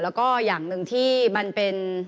แล้วก็อย่างหนึ่งที่มันเป็น